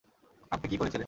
আপনি কী করেছিলেন?